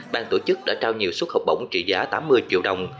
ban tổ chức đã trao nhiều suất học bổng trị giá tám mươi triệu đồng